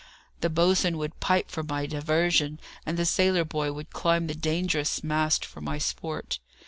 The boatswain would pipe for my diversion, and the sailor boy would climb the dangerous mast for my sport.